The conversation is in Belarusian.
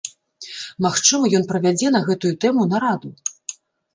Магчыма, ён правядзе на гэтую тэму нараду.